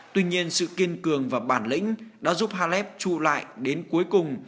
tuy nhiên sự kiên cường và bản lĩnh đã giúp halef trụ lại đến cuối cùng